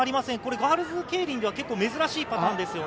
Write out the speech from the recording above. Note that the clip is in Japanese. ガールズケイリンでは珍しいパターンですよね。